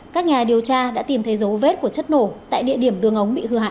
các nhà điều tra đã tìm thấy dấu vết của chất nổ tại địa điểm đường ống bị hư hại